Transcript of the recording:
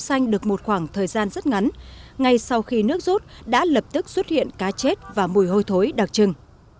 xanh được một khoảng thời gian rất ngắn ngay sau khi nước rút đã lập tức xuất hiện cá chết và mùi hôi thối đặc trưng